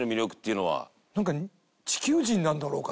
なんか地球人なんだろうか？